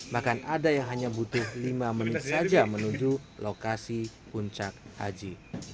bahkan ada yang hanya butuh lima menit saja menuju lokasi puncak haji